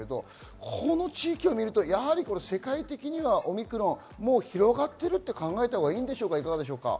この地域を見ると、世界的にはオミクロンが広がっていると考えたほうがいいですか？